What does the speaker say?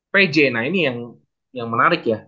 pj nah ini yang menarik ya